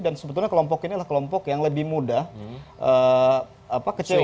dan sebetulnya kelompok ini adalah kelompok yang lebih mudah kecewa